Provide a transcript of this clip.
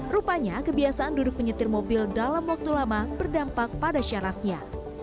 rupanya kebiasaan duduk menyetir mobil dalam waktu lama berdampak pada syarafnya